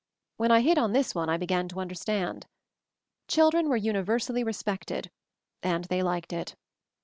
When I hit on this one I began to understand. Children were universally re spected, and they liked it.